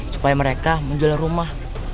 supaya mereka menjual rumah